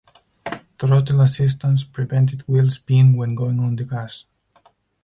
"Throttle assistance" prevented wheel spin when going on the gas.